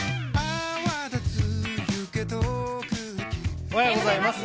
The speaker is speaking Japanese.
おはようございます。